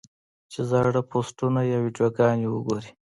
چې زاړۀ پوسټونه يا ويډيوګانې اوګوري -